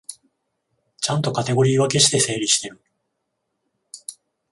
ちゃんとカテゴリー分けして整理してる